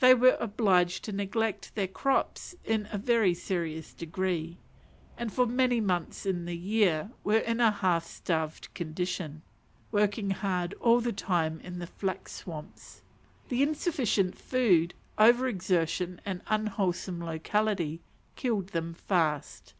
They were obliged to neglect their crops in a very serious degree, and for many months in the year were in a half starving condition; working hard all the time in the flax swamps. The insufficient food, over exertion, and unwholesome locality, killed them fast.